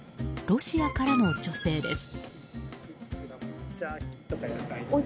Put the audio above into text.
ロシアからの女性です。